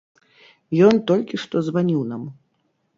Ён толькі што званіў нам!